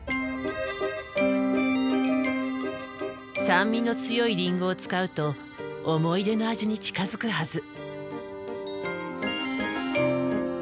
酸味の強いリンゴを使うと思い出の味に近づくはず。